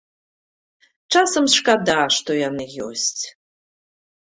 Часам шкада, што яны ёсць.